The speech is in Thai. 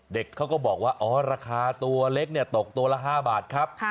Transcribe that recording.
เด็กเขาก็บอกว่าอ๋อราคาตัวเล็กตกตัวละ๕บาทครับ